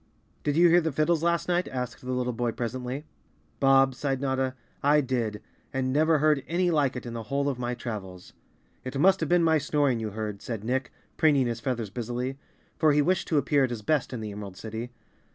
"Did you hear the fiddles last night?" asked the lit¬ tle boy presently. "Bob," sighed Notta, "I did, and never heard any like it in the whole of my travels." "It must have been my snoring you heard," said Nick, preening his feathers busily, for he wished to ap Chapter Eighteen pear at his best in the Emerald City.